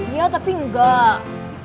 iya tapi enggak